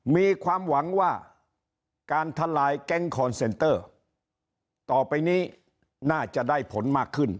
มีความหวังว่าการทลายแก๊งคอนเซนเตอร์ต่อไปนี้น่าจะได้ผลมากขึ้น